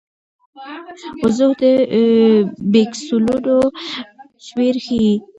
وضوح د پیکسلونو شمېر ښيي.